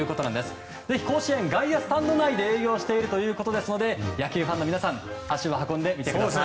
ぜひ甲子園外野スタンド内で営業しているということなので野球ファンの皆さん足を運んでみてください。